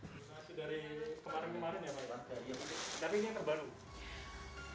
tapi ini yang terbaru